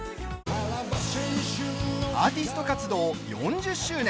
アーティスト活動４０周年